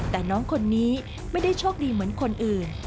แต่น้องคนนี้ไม่ได้โชคดีเหมือนคนอื่น